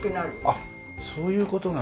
あっそういう事なんだね。